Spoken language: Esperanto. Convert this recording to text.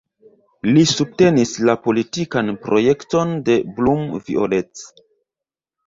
Li subtenis la politikan projekton de Blum-Violette.